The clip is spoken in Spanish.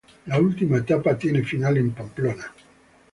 La última etapa tiene final en Pamplona.